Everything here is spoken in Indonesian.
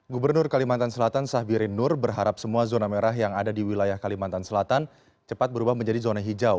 gubernur kalimantan selatan sahbirin nur berharap semua zona merah yang ada di wilayah kalimantan selatan cepat berubah menjadi zona hijau